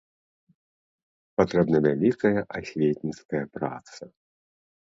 Патрэбна вялікая асветніцкая праца.